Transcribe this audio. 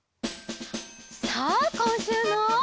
さあこんしゅうの。